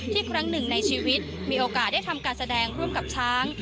ครั้งหนึ่งในชีวิตมีโอกาสได้ทำการแสดงร่วมกับช้าง